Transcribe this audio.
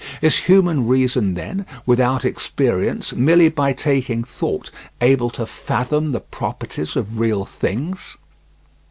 Is human reason, then, without experience, merely by taking thought, able to fathom the properties of real things.